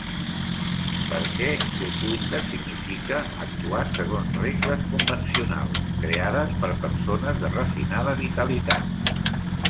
Perquè ser culte significa actuar segons regles convencionals, creades per persones de refinada vitalitat.